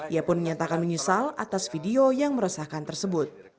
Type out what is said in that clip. ia pun menyatakan menyesal atas video yang meresahkan tersebut